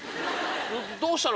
どうしたの？